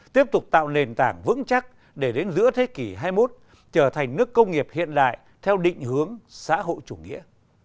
tiếp tục tạo nền tảng vững chắc để đến giữa thế kỷ hai mươi một trở thành nước công nghiệp hiện đại theo định hướng xã hội chủ nghĩa